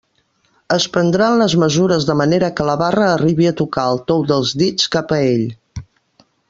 Es prendran les mesures de manera que la barra arribi a tocar el tou dels dits cap a ell.